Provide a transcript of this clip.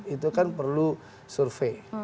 itu kan perlu survei